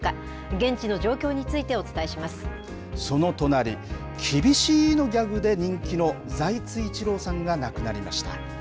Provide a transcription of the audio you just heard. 現地の状況についてその隣キビシーッのギャグで人気の財津一郎さんが亡くなりました。